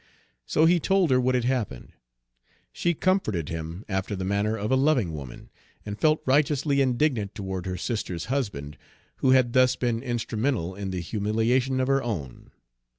So he told her what had happened. She comforted him after the manner of a loving woman, and felt righteously indignant toward her sister's husband, who had thus been instrumental in the humiliation of her own.